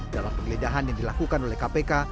dalam penggeledahan yang dilakukan oleh kpk